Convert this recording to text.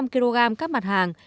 chín trăm linh kg các mặt hàng